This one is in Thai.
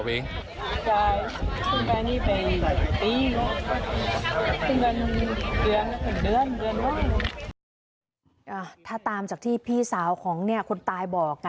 ถ้าตามจากที่พี่สาวของเนี่ยคนตายบอก